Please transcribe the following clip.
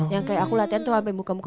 yang kayak aku latihan tuh sampai muka muka